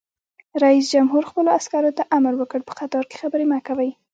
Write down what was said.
رئیس جمهور خپلو عسکرو ته امر وکړ؛ په قطار کې خبرې مه کوئ!